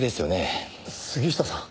杉下さん。